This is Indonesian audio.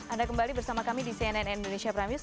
anda kembali bersama kami di cnn indonesia prime news